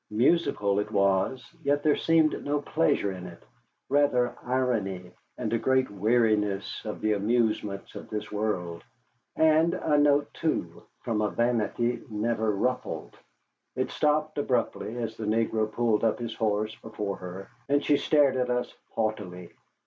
Musical it was, yet there seemed no pleasure in it: rather irony, and a great weariness of the amusements of this world: and a note, too, from a vanity never ruffled. It stopped abruptly as the negro pulled up his horse before her, and she stared at us haughtily.